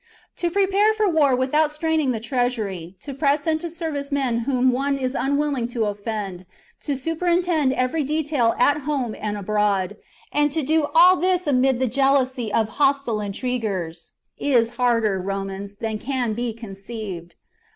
To prepare for war without straining the trea sury, to press into service men whom one is unwilling to offend, to superintend every detail at home and abroad, and to do all this amid the jealousy of hostile intriguers, is harder, Romans, than can be conceived.